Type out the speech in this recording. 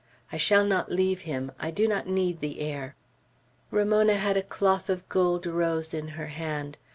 "I shall not leave him. I do not need the air." Ramona had a cloth of gold rose in her hand.